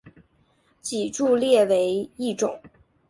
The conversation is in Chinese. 脊柱裂为一种。